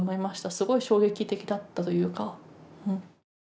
すごい衝撃的だったというか。